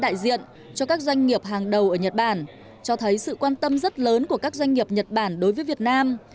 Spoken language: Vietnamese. đại diện cho các doanh nghiệp hàng đầu ở nhật bản cho thấy sự quan tâm rất lớn của các doanh nghiệp nhật bản đối với việt nam